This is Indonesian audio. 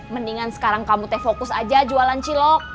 mendingan sekarang kamu teh fokus aja jualan cilok